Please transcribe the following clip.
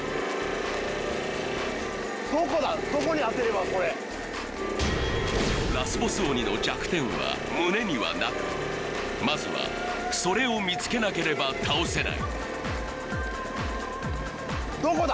どこだラスボス鬼の弱点は胸にはなくまずはそれを見つけなければ倒せないどこだ？